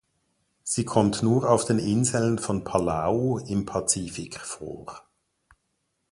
Sie kommt nur auf den Inseln von Palau im Pazifik vor.